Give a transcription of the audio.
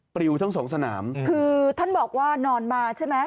ปริวทั้งสองสนามคือท่านบอกว่านอนมาใช่ไหม